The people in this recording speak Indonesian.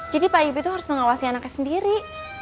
jadi pak yib itu harus mengawasi anaknya sendiri